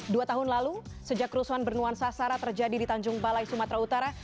dua tahun lalu sejak kerusuhan bernuansa sara terjadi di tanjung balai sumatera utara